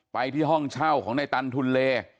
ไปที่ห้องเช่าของในตันทุนเล